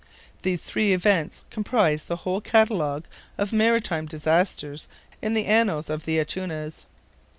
These three events comprise the whole catalogue of maritime disasters in the annals of the Acunhas.